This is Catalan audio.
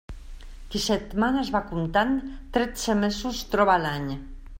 Qui setmanes va comptant, tretze mesos troba a l'any.